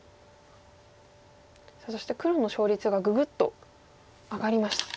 そして黒の勝率がググッと上がりました。